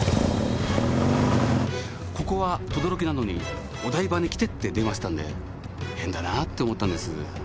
ここは等々力なのにお台場に来てって電話してたので変だなって思ったんです。